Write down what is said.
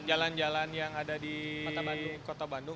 jalan jalan yang ada di kota bandung